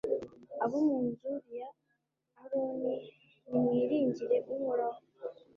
abo mu nzu ya aroni, nimwiringire uhoraho